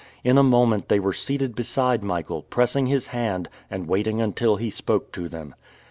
In a moment they were seated beside Michael, pressing his hand and waiting until he spoke to them.